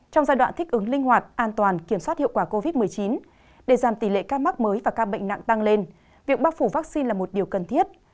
trong giai đoạn thích ứng linh hoạt an toàn kiểm soát hiệu quả covid một mươi chín để giảm tỷ lệ ca mắc mới và ca bệnh nặng tăng lên việc bác phủ vaccine là một điều cần thiết